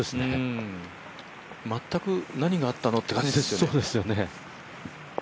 全く何があったのって感じですよね。